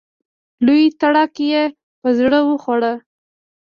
لوی تړک یې په زړه وخوړ.